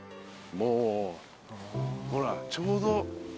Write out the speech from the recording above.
もうほらちょうど。